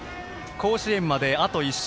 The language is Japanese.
甲子園まであと１勝。